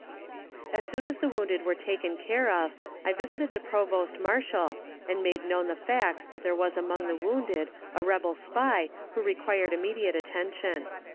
As soon as the wounded were taken care of I visited the provost marshal, and made known the fact that there was among the wounded a rebel spy who required immediate attention.